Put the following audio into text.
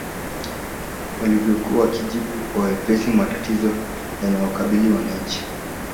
Walivyokuwa wakijibu kwa wepesi matatizo yanayowakabili wananchi